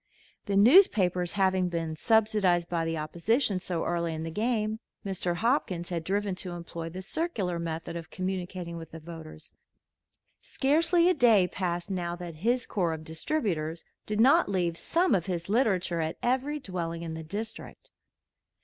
The newspapers having been subsidized by the opposition so early in the game, Mr. Hopkins had driven to employ the circular method of communicating with the voters. Scarcely a day passed now that his corps of distributors did not leave some of his literature at every dwelling in the district.